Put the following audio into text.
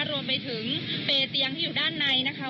รวมไปถึงเปรเตียงที่อยู่ด้านในนะคะ